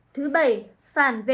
thứ bảy phản vệ